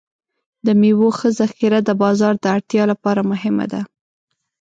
د میوو ښه ذخیره د بازار د اړتیا لپاره مهمه ده.